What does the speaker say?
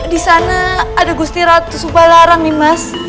di sana ada gusti ratu subalara nimas